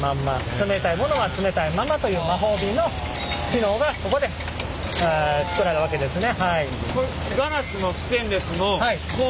冷たいものは冷たいまんまという魔法瓶の機能がここでつくられるわけですね。